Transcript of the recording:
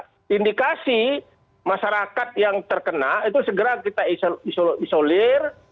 nah indikasi masyarakat yang terkena itu segera kita isolir